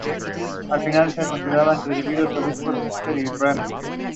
Vouet was also a friend of Claude Vignon.